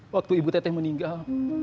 waktu ibu tete meninggal